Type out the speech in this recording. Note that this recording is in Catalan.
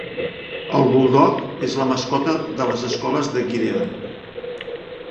El buldog és la mascota de les escoles de Gideon.